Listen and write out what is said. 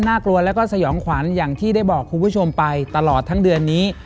กลัวแล้วก็สยองขวัญอย่างที่ได้บอกคุณผู้ชมไปตลอดทั้งเดือนนี้